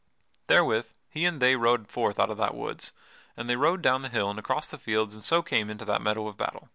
Therewith he and they rode forth out of that woods, and they rode down the hill and across the fields and so came into that meadow of battle.